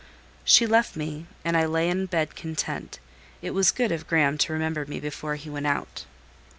She left me, and I lay in bed content: it was good of Graham to remember me before he went out.